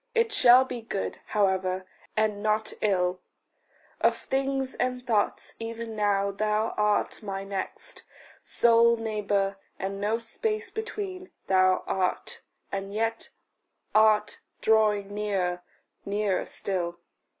It shall be good, how ever, and not ill; Of things and thoughts even now thou art my next; Sole neighbour, and no space between, thou art And yet art drawing nearer, nearer still.